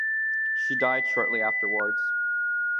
She died shortly afterwards.